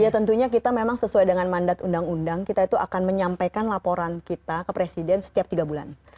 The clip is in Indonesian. ya tentunya kita memang sesuai dengan mandat undang undang kita itu akan menyampaikan laporan kita ke presiden setiap tiga bulan